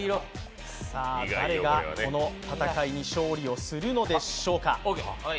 誰がこの戦いに勝利をするのでしょうか。